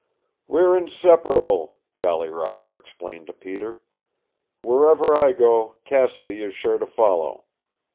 "We're inseparable," Jolly Roger explained to Peter. "Wherever I go, Cassidy is sure to follow.